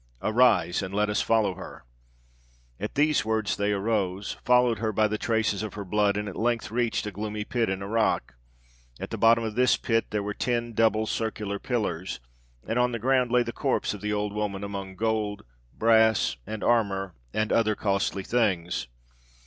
Arise, and let us follow her!' "At these words they arose, followed her by the traces of her blood, and at length reached a gloomy pit in a rock. At the bottom of this pit there were ten double circular pillars, and on the ground lay the corpse of the old woman, among gold, brass, and armour, and other costly things.